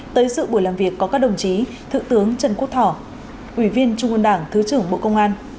tới sự buổi làm việc có các đồng chí thượng tướng trần quốc tỏ ủy viên trung ương đảng thứ trưởng bộ công an